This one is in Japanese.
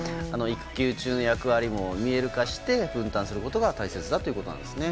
育休中の役割も見える化して分担することが大切だということなんですね。